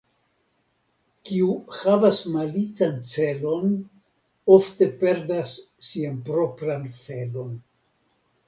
Kiu havas malican celon, ofte perdas sian propran felon.